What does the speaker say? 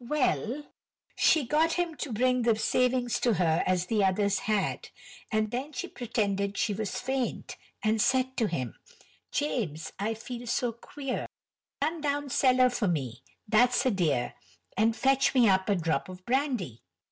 Well, she got him to bring the savings to her as the others had, and then she pretended she was faint, and said to him: "James, I feel so queer, run down cellar for me, that's a dear, and fetch me up a drop of brandy."